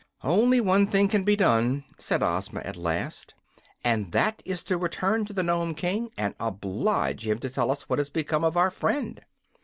"Only one thing can be done," said Ozma, at last, "and that is to return to the Nome King and oblige him to tell us what has become of our friend."